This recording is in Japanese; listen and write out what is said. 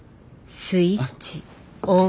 スイッチオン。